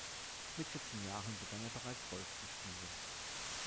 Mit vierzehn Jahren begann er bereits Golf zu spielen.